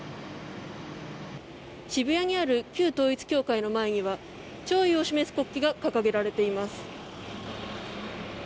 渋谷にある旧統一教会の前には弔意を示す国旗が掲げられています。